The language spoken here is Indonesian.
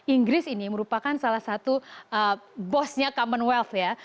inggris ini merupakan salah satu bosnya commonwealth ya